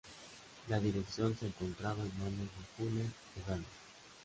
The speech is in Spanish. La dirección se encontraba en manos de Julen Ugalde.